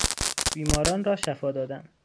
بیماران را شفا دادن